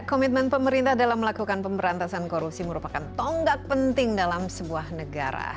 komitmen pemerintah dalam melakukan pemberantasan korupsi merupakan tonggak penting dalam sebuah negara